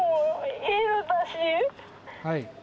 はい。